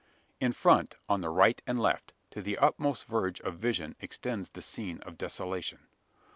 In front on the right and left to the utmost verge of vision extends the scene of desolation.